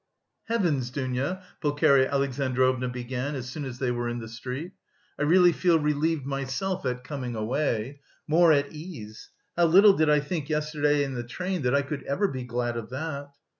"Heavens, Dounia," Pulcheria Alexandrovna began, as soon as they were in the street, "I really feel relieved myself at coming away more at ease. How little did I think yesterday in the train that I could ever be glad of that."